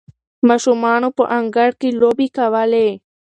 ماشومانو په انګړ کې لوبې کولې.